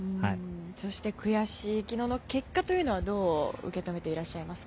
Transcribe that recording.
そして悔しい昨日の結果というのはどう受け止めていらっしゃいますか？